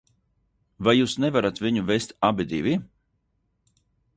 Vai jūs nevarat viņu vest abi divi?